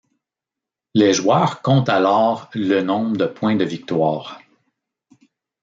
Les joueurs comptent alors le nombre de points de Victoire.